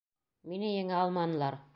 Мине еңә алманылар.